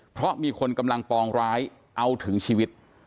เพราะมีคนกำลังปองร้ายเอาถึงชีวิต